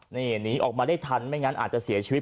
นี่หนีออกมาได้ทันไม่งั้นอาจจะเสียชีวิต